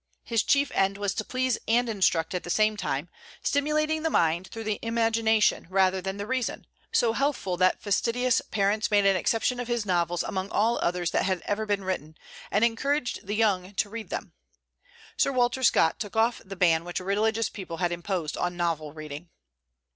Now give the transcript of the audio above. His chief end was to please and instruct at the same time, stimulating the mind through the imagination rather than the reason; so healthful that fastidious parents made an exception of his novels among all others that had ever been written, and encouraged the young to read them. Sir Walter Scott took off the ban which religious people had imposed on novel reading.